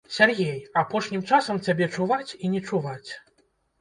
Сяргей, апошнім часам цябе чуваць і не чуваць.